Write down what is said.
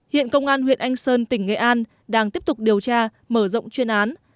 hiện công an huyện anh sơn tỉnh nghệ an đang tiếp tục điều tra mở rộng chuyên án